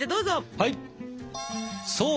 はい！